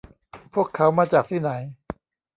พวกเขามาจากที่ไหน